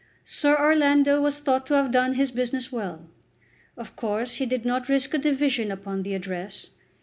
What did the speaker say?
Sir Orlando was thought to have done his business well. Of course he did not risk a division upon the address.